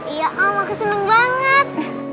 iya makasih senang banget